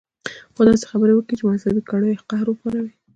خو داسې خبرې به وکي چې د مذهبي کړيو قهر وپاروي.